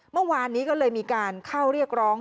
เมื่อวานนี้ก็เลยมีการเข้าเรียกร้อง